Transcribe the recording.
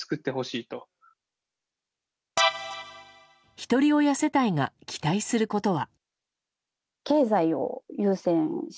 ひとり親世帯が期待することは。